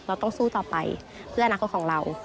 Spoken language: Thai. ต้องสู้ต่อไปเพื่ออนาคตของเรา